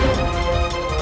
jangan mengambil lain pintu